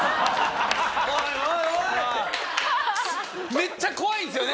めっちゃ怖いんですよね。